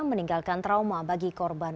meninggalkan trauma bagi korban